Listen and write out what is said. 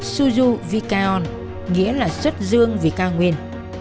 suzu vikaon nghĩa là xuất dương vì cao nguyên